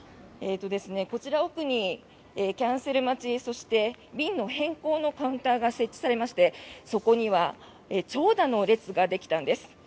こちら奥に、キャンセル待ちそして便の変更のカウンターが設置されましてそこには長蛇の列ができたんです。